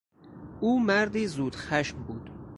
او مردی زود خشم بود.